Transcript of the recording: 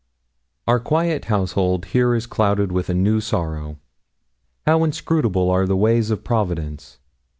'Our quiet household here is clouded with a new sorrow. How inscrutable are the ways of Providence!